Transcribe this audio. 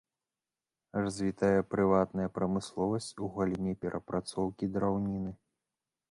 Развітая прыватная прамысловасць у галіне перапрацоўкі драўніны.